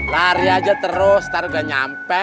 lari aja terus lari udah nyampe